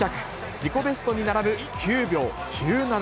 自己ベストに並ぶ９秒９７。